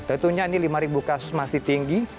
tentunya ini lima kasus masih tinggi